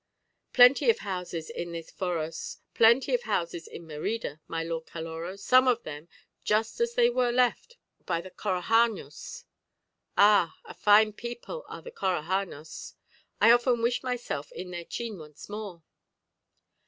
"Plenty of houses in this foros, plenty of houses in Merida, my London Caloró, some of them just as they were left by the Corahanós. Ah! a fine people are the Corahanós; I often wish myself in their chim once more."